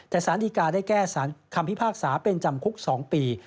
แต่สารดีกาได้แก้คำพิพากษาเป็นจำคุก๒ปี